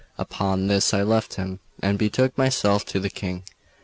Upon this I left him, and betook myself to the King.